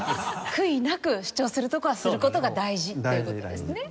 悔いなく主張するとこはする事が大事っていう事ですね。